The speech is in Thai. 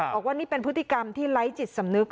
บอกว่านี่เป็นพฤติกรรมที่ไร้จิตสำนึก